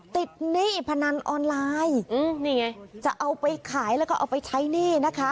หนี้พนันออนไลน์นี่ไงจะเอาไปขายแล้วก็เอาไปใช้หนี้นะคะ